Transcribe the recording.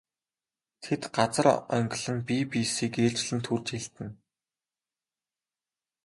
Тэд газар онгилон бие биесийг ээлжлэн түрж элдэнэ.